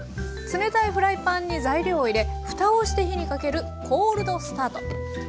冷たいフライパンに材料を入れふたをして火にかけるコールドスタート。